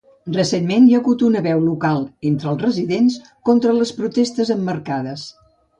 Recentment hi ha hagut una veu local entre els residents contra les protestes emmarcades.